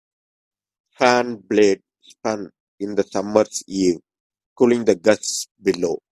Fan blades spun in the summer's eve, cooling the guests below.